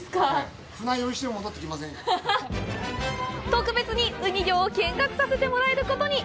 特別に、ウニ漁を見学させてもらえることに！